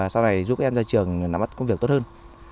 sau này giúp các em ra trường nắm mắt công việc tốt hơn